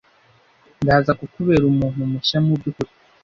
ndaza kukubera umuntu mushya mubyu kuri